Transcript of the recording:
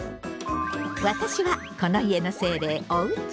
私はこの家の精霊おうち。